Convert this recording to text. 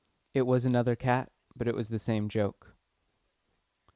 It was another cat, but it was the same joke.